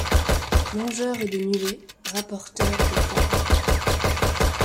plongeurs de nuée, rapporteurs de tables ;